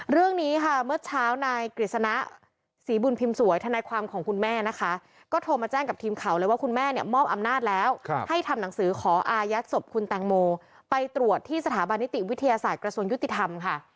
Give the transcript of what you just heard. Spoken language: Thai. เรื่องนี้ค่ะเมื่อเช้านายกฤษณะศรีบุญพิมพ์สวยทนายความของคุณแม่นะคะก็โทรมาแจ้งกับทีมข่าวเลยว่าคุณแม่เนี่ยมอบอำนาจแล้วให้ทำหนังสือขออายัดศพคุณแตงโมไปตรวจที่สถาบันนิติวิทยาศาสตร์กระทรวงยุติธรรมค่ะ